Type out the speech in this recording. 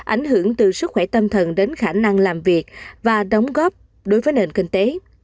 ảnh hưởng từ sức khỏe tâm thần đến khả năng làm việc và đóng góp đối với nền kinh tế